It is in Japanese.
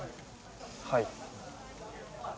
はい。